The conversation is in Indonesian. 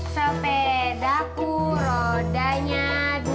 sepedaku rodanya dua